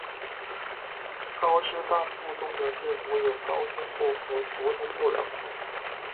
高师大附中的制服有高中部和国中部两种。